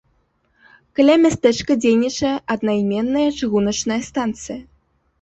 Каля мястэчка дзейнічае аднайменная чыгуначная станцыя.